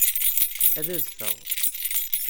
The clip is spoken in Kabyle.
Ad adfeɣ.